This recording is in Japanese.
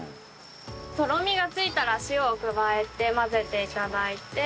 とろみがついたら塩を加えて混ぜて頂いて。